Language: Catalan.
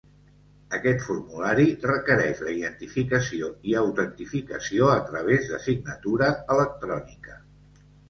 Aquest formulari requereix la identificació i autentificació a través de signatura electrònica.